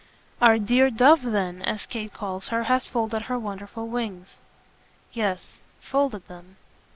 "Our dear dove then, as Kate calls her, has folded her wonderful wings." "Yes folded them."